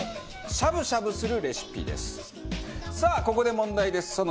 さあここで問題です。